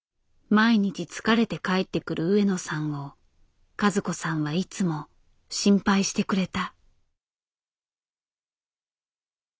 毎日疲れて帰ってくる上野さんを和子さんはいつも心配してくれた。